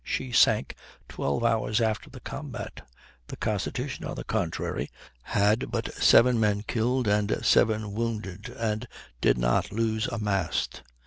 She sank twelve hours after the combat. The Constitution, on the contrary, had but seven men killed and seven wounded, and did not lose a mast.